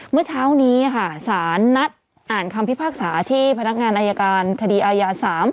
เมื่อเช้านี้ค่ะสารนัดอ่านคำพิพากษาที่พนักงานอายการคดีอายา๓